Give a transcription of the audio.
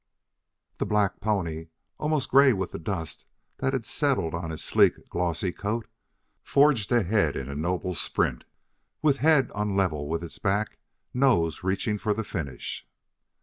The black pony, almost gray with the dust that had settled on his sleek, glossy coat, forged ahead in a noble sprint with head on a level with its back, nose reaching for the finish.